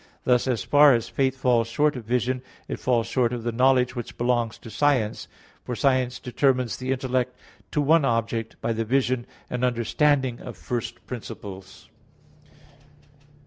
Thus as far as faith falls short of vision, it falls short of the knowledge which belongs to science, for science determines the intellect to one object by the vision and understanding of first principles.